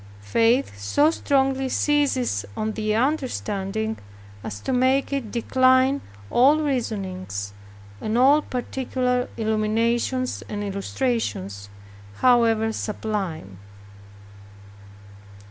Faith so strongly seizes on the understanding, as to make it decline all reasonings, all particular illuminations and illustrations, however sublime.